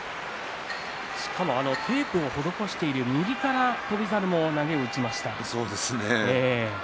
しかもテープを施している右から翔猿も投げを打ちました。